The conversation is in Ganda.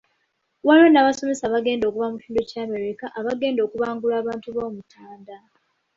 Waliwo n’abasomesa abagenda okuva mu kitundu kya Amerika abagenda okubangula abantu b’Omutanda.